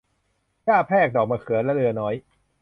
หญ้าแพรก ดอกมะเขือ และเรือน้อย